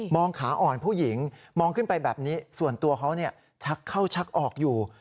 ขาอ่อนผู้หญิงมองขึ้นไปแบบนี้ส่วนตัวเขาชักเข้าชักออกอยู่